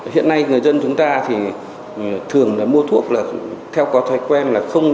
hiện nay người dân chúng ta thì thường là mua thuốc là theo có thói quen